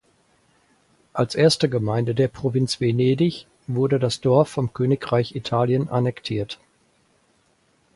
Als erste Gemeinde der Provinz Venedig wurde das Dorf vom Königreich Italien annektiert.